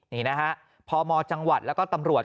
นี่นะฮะพมจังหวัดแล้วก็ตำรวจ